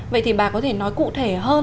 vậy thì bà có thể nói cụ thể hơn